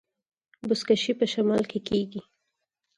بزکشي په شمال کې کیږي